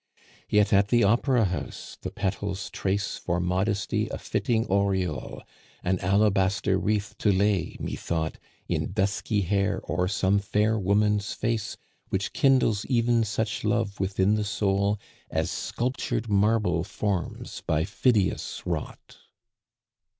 Yet at the opera house the petals trace For modesty a fitting aureole; An alabaster wreath to lay, methought, In dusky hair o'er some fair woman's face Which kindles ev'n such love within the soul As sculptured marble forms by Phidias wrought.